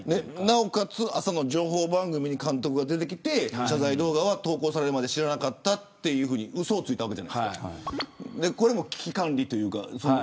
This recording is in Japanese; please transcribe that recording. なおかつ朝の情報番組に監督が出てきて謝罪動画は投稿されるまで知らなかったとうそをついたわけじゃないですかこれも危機管理というか。